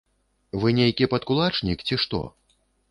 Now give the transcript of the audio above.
Вы нейкі падкулачнік, ці што?!